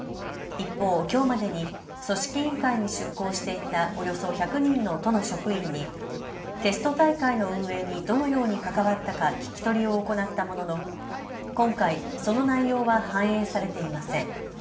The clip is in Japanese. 一方、きょうまでに組織委員会に出向していたおよそ１００人の都の職員にテスト大会の運営にどのように関わったか聞き取りを行ったものの今回その内容は反映されていません。